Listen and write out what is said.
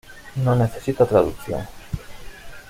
No necesita traducción.